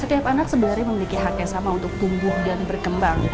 setiap anak sebenarnya memiliki hak yang sama untuk tumbuh dan berkembang